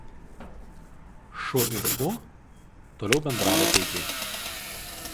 Šu ir U toliau bendravo taikiai.